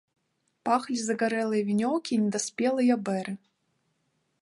Пахлі загарэлыя вінёўкі і недаспелыя бэры.